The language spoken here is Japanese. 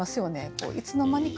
こういつの間にか。